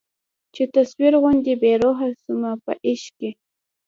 چي تصویر غوندي بې روح سومه په عشق کي